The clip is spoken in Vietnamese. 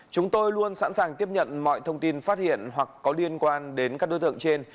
chúng tôi luôn sẵn sàng tiếp nhận mọi thông tin phát hiện hoặc có liên quan đến các đối tượng trên